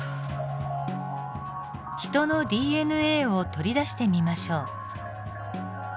ヒトのＤＮＡを取り出してみましょう。